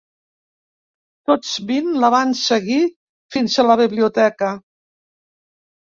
Tots vint la van seguir fins a la biblioteca.